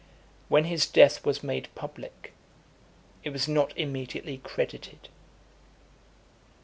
When his death was made public, it was not immediately credited.